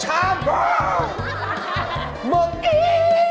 อะไรวะของนี่